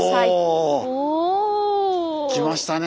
おお！来ましたね